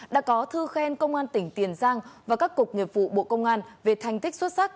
đã có thư khen công an tỉnh tiền giang và các cục nghiệp vụ bộ công an về thành tích xuất sắc